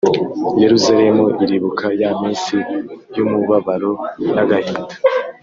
Yeruzalemu iribuka ya minsi y’umubabaro n’agahinda,